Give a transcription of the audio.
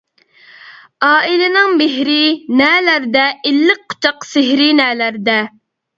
ئائىلىنىڭ مېھرى نەلەردە، ئىللىق قۇچاق سېھرى نەلەردە.